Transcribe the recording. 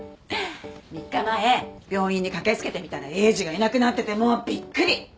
３日前病院に駆け付けてみたらエイジがいなくなっててもうびっくり！